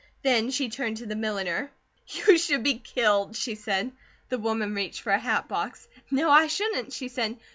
Then she turned to the milliner. "You should be killed!" she said. The woman reached for a hat box. "No, I shouldn't!" she said.